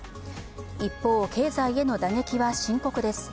一方、経済への打撃は深刻です。